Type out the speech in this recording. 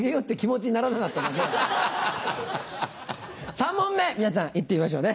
３問目皆さん行ってみましょうね。